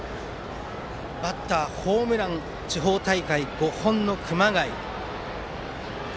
バッターはホームランが地方大会５本の熊谷。